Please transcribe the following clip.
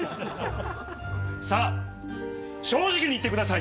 さあ正直に言ってください。